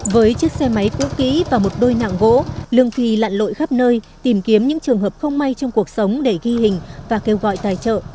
với chiếc xe máy cũ kỹ và một đôi nạng gỗ lương phi lặn lội khắp nơi tìm kiếm những trường hợp không may trong cuộc sống để ghi hình và kêu gọi tài trợ